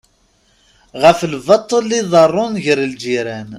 Ɣef lbaṭṭel i iḍerrun gar lǧiran.